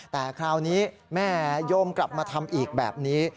แต่คราวนี้แม่โยมกลับมาทำอีกแบบนี้